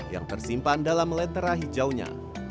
yang tersimpan dalam letera hijaunya